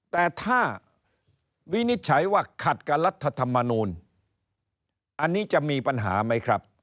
แต่ถ้าวินิจฉัยว่าขัดกับรัฐธรรมนูลอันนี้จะมีปัญหาไหมครับ